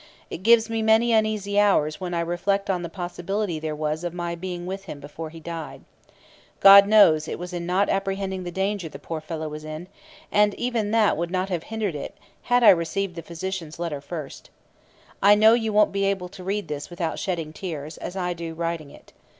It gives me many uneasy hours when I reflect on the possibility there was of my being with him before he died. God knows it was not apprehending the danger the poor fellow was in; and even that would not have hindered it had I received the physician's first letter. I know you won't be able to read this without shedding tears, as I do writing it.